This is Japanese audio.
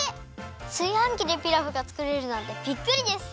すいはんきでピラフがつくれるなんてびっくりです！